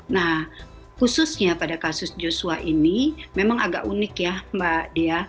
nah khususnya pada kasus joshua ini memang agak unik ya mbak dea